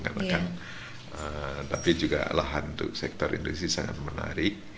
karena kan tapi juga lahan untuk sektor industri sangat menarik